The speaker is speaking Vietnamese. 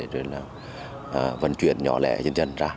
rồi là vận chuyển nhỏ lẻ dân dân ra